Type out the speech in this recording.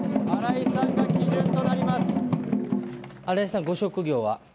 荒井さん、ご職業は？